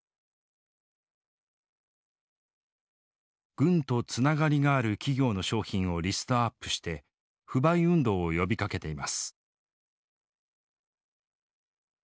軍とつながりがある企業の商品をリストアップして不買運動を呼びかけています。